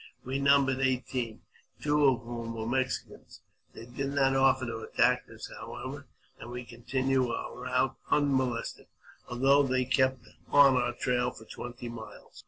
We numbered eighteen, two of whom were Mexicans. They did not offer to attack us, however, and we continued our route unmolested, although they kept on our trail for twenty miles.